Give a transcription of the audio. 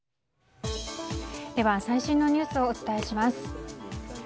では最新のニュースをお伝えします。